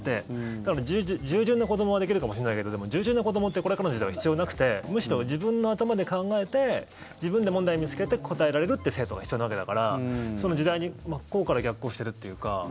ただ従順な子どもはできるかもしれないけどでも、従順な子どもってこれからの時代は必要なくてむしろ自分の頭で考えて自分で問題を見つけて答えられるって生徒が必要なわけだからその時代に真っ向から逆行してるっていうか。